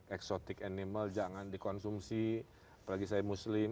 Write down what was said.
exotic animal jangan dikonsumsi apalagi saya muslim